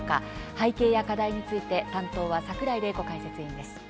背景や課題について担当は櫻井玲子解説委員です。